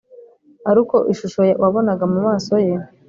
ariko ishusho wabonaga mumaso ye